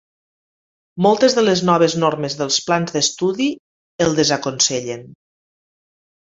Moltes de les noves normes dels plans d'estudi el desaconsellen.